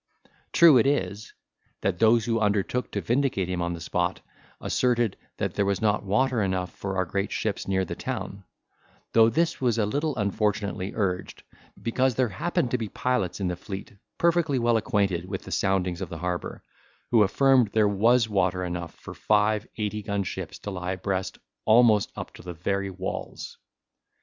True it is, that those who undertook to vindicate him on the spot, asserted, that there was not water enough for our great ships near the town: though this was a little unfortunately urged, because there happened to be pilots in the fleet perfectly well acquainted with the soundings of the harbour, who affirmed there was water enough for five eighty gun ships to lie abreast almost up to the very walls.